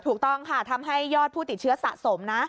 ถูกต้องค่ะทำให้ยอดผู้ติดเชื้อสะสมนะ